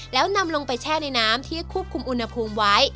แล้วนำลงไปแช่ในน้ำที่ควบคุมอุณหภูมิไว้